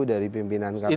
dari pimpinan kpk